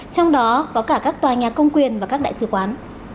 trong đó có cả các tòa nhà công quyền và các đại sứ quán